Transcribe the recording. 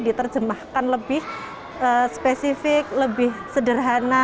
diterjemahkan lebih spesifik lebih sederhana